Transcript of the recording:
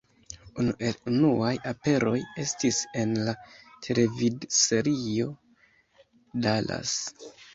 Unu el unuaj aperoj estis en la televidserio Dallas.